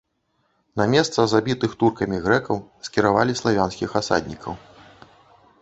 На месца забітых туркамі грэкаў скіравалі славянскіх асаднікаў.